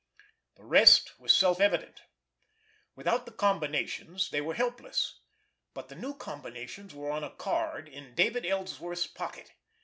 The rest was self evident. Without the combinations they were helpless, but the new combinations were on a card in David Ellsworth's pocket.